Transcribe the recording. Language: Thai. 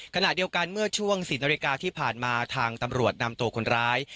ขณะเดียวกันเมื่อช่วง๔นาฬิกาที่ผ่านมาทางตำรวจนำตัวคนร้าย